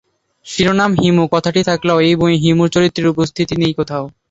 শিরোনামে 'হিমু' কথাটি থাকলেও এই বইয়ে হিমু চরিত্রের উপস্থিতি নেই কোথাও।